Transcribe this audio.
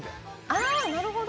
ああなるほど！